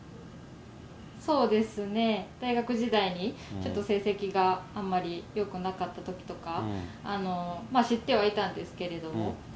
そうですね、大学時代にちょっと成績があんまりよくなかったときとか、知ってはいたんですけれども。